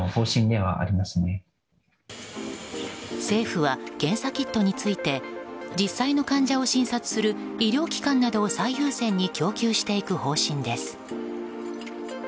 政府は、検査キットについて実際の患者を診察する医療機関などを最優先に供給していく方針です。